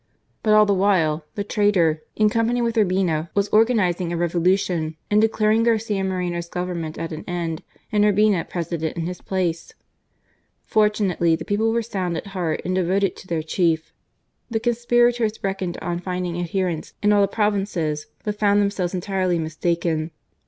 But all the while the traitor, in company with Urbina, was organizing a revolution and declaring Garcia Moreno's govern ment at an end and Urbina President in his place ! Fortunately the people were sound at heart and devoted to their chief. The conspirators reckoned on finding adherents in all the provinces ; but found themselves entirely mistaken.